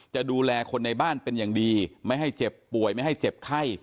จะดูแลคนในบ้านเป็นอย่างดีไม่ให้เจ็บป่วยไม่ให้เจ็บไข้